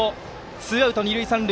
ツーアウト、二塁三塁。